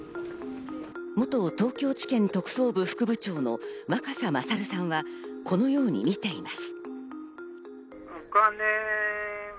元東京地検特捜部副部長の若狭勝さんはこのように見ています。